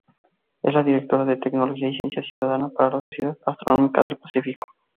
Es la Directora de Tecnología y Ciencia Ciudadana para la Sociedad Astronómica del Pacífico.